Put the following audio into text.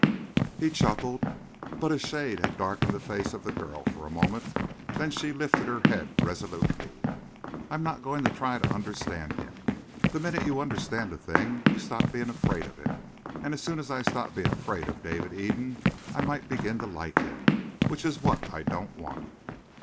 He chuckled, but a shade had darkened the face of the girl for a moment. Then she lifted her head resolutely. "I'm not going to try to understand him. The minute you understand a thing you stop being afraid of it; and as soon as I stop being afraid of David Eden I might begin to like him which is what I don't want."